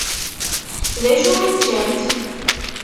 Dacu i ččant?